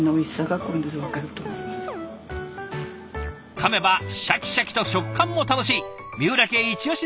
かめばシャキシャキと食感も楽しい三浦家いち押しのせり焼き。